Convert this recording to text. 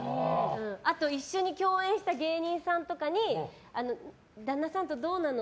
あと、一緒に共演した芸人さんとかに旦那さんとどうなの？